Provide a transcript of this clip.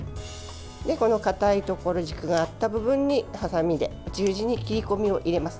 このかたいところ軸があった部分にはさみで十字に切り込みを入れます。